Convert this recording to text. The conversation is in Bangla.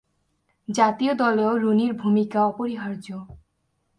জাতীয় দলেও রুনির ভূমিকা অপরিহার্য।